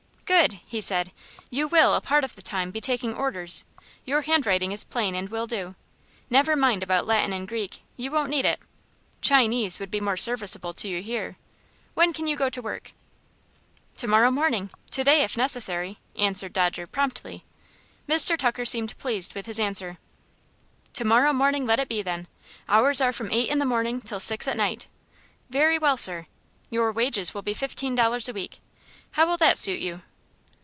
"Good!" he said. "You will, a part of the time, be taking orders. Your handwriting is plain and will do. Never mind about Latin and Greek. You won't need it. Chinese would be more serviceable to you here. When can you go to work?" "To morrow morning. To day, if necessary," answered Dodger, promptly. Mr. Tucker seemed pleased with his answer. "To morrow morning let it be, then! Hours are from eight in the morning till six at night." "Very well, sir." "Your wages will be fifteen dollars a week. How will that suit you?"